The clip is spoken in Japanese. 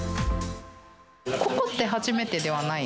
ここって初めてではない？